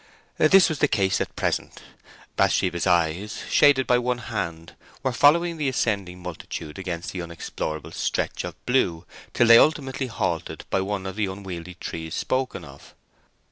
This was the case at present. Bathsheba's eyes, shaded by one hand, were following the ascending multitude against the unexplorable stretch of blue till they ultimately halted by one of the unwieldy trees spoken of.